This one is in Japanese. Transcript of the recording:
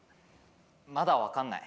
まだわかんない。